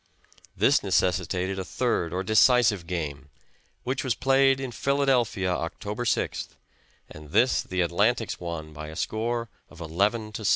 This necessitated a third or decisive game, which was played in Philadelphia October 6th, and this the Atlantics won by a score of 11 to 7.